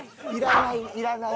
いらない。